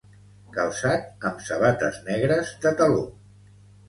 Calçat amb sabates negres de taló.